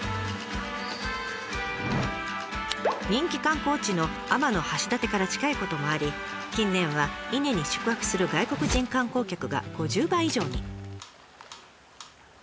人気観光地の天橋立から近いこともあり近年は伊根に宿泊する外国人観光客が５０倍以上に。